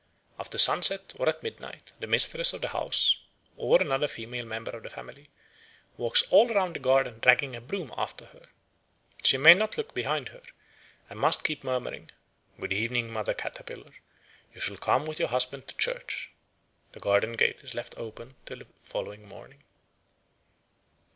After sunset or at midnight the mistress of the house, or another female member of the family, walks all round the garden dragging a broom after her. She may not look behind her, and must keep murmuring, "Good evening, Mother Caterpillar, you shall come with your husband to church." The garden gate is left open till the following morning.